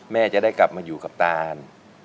แม่จะได้กลับมาอยู่กับตาน